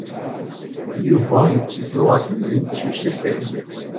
Yuba yetteddu ɣer temdint s usakal.